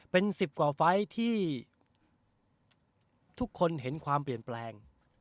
เป็น๑๐กว่าไฟล์ที่ทุกคนเห็นความเปลี่ยนแปลง